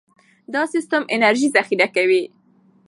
دا سیستم انرژي ذخیره کوي.